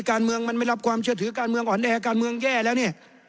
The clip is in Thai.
การเมืองมันไม่รับความเชื่อถือการเมืองอ่อนแอการเมืองแย่แล้วเนี่ย